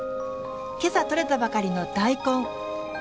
今朝取れたばかりの大根。